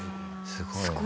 すごい。